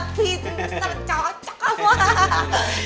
pinter cocok kamu